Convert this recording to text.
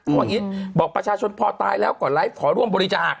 บอกอีบอกประชาชนพ่อตายแล้วก่อนไหรฟ์ขอร่วมบริจาค